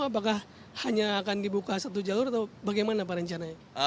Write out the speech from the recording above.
apakah hanya akan dibuka satu jalur atau bagaimana pak rencananya